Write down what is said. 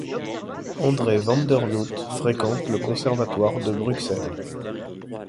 André Vandernoot fréquente le Conservatoire de Bruxelles.